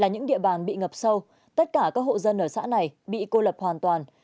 những địa bàn bị ngập sâu tất cả các hộ dân ở xã này bị cô lập hoàn toàn